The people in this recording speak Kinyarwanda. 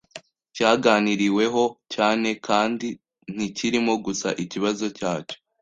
cyaganiriweho cyanekandi ntikirimo gusa ikibazo cyacyo